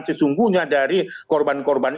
sesungguhnya dari korban korban